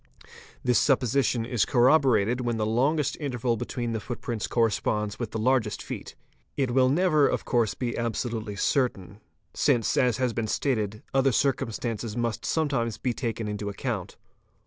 This supposition is corroborated when the longest interval between the footprints corresponds with the largest feet. It will never 'of course be absolutely certain, since, as has been stated, other circum stances must sometimes be taken into account.